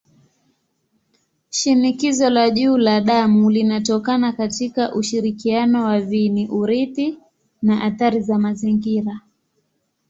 Shinikizo la juu la damu linatokana katika ushirikiano wa viini-urithi na athari za mazingira.